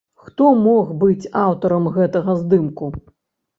Хто мог быць аўтарам гэтага здымку?